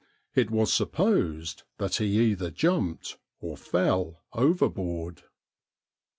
It was supposed that he either jumped or fell overboard.